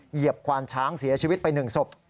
เหยียบควานช้างเสียชีวิตไป๑ศพ